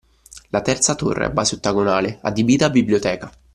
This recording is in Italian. La terza torre, a base ottagonale, adibita a biblioteca